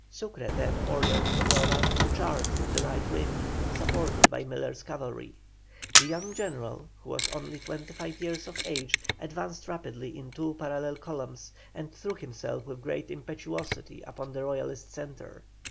Sucre then ordered Cordoba to charge with the right wing, supported by Miller's cavalry. The young general, who was only twenty five years of age, advanced rapidly in two parallel columns, and threw himself with great impetuosity upon the Royalist centre.